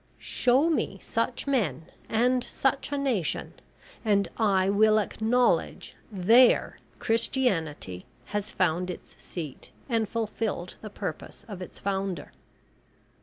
Show me such men and such a nation, and I will acknowledge there Christianity has found its seat and fulfilled the purpose of its founder!"